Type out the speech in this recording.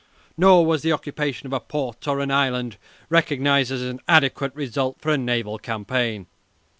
Nor was the occupation of a port or an island recognized as an adequate result for a naval campaign.